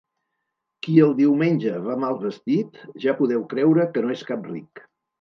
Qui el diumenge va mal vestit, ja podeu creure que no és cap ric.